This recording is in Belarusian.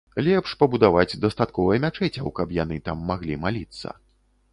Лепш пабудаваць дастаткова мячэцяў, каб яны там маглі маліцца.